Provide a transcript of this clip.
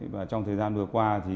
và trong thời gian vừa qua